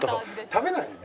食べないの？